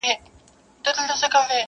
برابره یې قسمت کړه پر ده لاره!!